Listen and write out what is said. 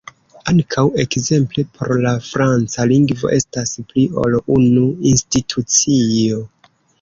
Ankaŭ ekzemple por la franca lingvo estas pli ol unu institucio.